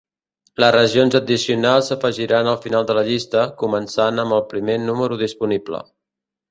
Les regions addicionals s'afegiran al final de la llista, començant amb el primer número disponible.